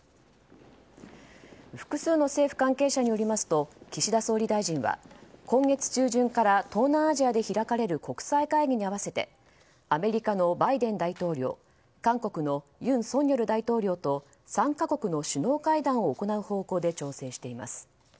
複数の政府関係者によりますと岸田総理大臣は今月中旬から東南アジアで開かれる国際会議に合わせてアメリカのバイデン大統領韓国の尹錫悦大統領と３か国の首脳会談を行う方向で調整しています。